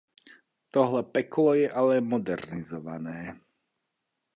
Tohle peklo je ale modernizované.